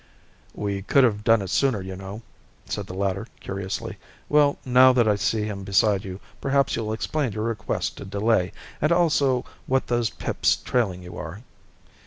"We could have done it sooner, you know," said the latter curiously. "Well, now that I see him beside you, perhaps you'll explain your request to delay, and also what those pips trailing you are."